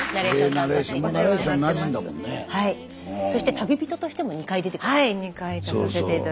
そして旅人としても２回出て。